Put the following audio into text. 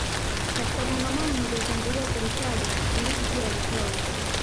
Katika kongamano nililotangulia kulitaja washiriki pia walitoa wito